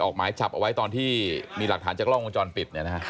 ออกหมายจับเอาไว้ตอนที่มีหลักฐานจากกล้องวงจรปิด